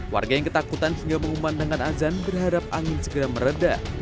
warga yang ketakutan hingga mengumandangkan azan berharap angin segera meredah